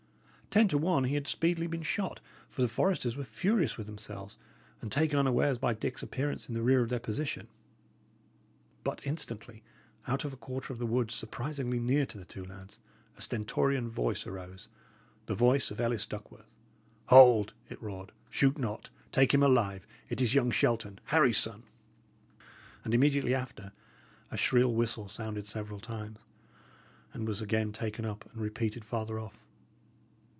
Ten to one he had speedily been shot for the foresters were furious with themselves, and taken unawares by Dick's appearance in the rear of their position but instantly, out of a quarter of the wood surprisingly near to the two lads, a stentorian voice arose, the voice of Ellis Duckworth. "Hold!" it roared. "Shoot not! Take him alive! It is young Shelton Harry's son." And immediately after a shrill whistle sounded several times, and was again taken up and repeated farther off.